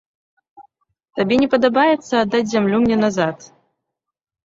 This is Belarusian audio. Табе не падабаецца аддаць зямлю мне назад.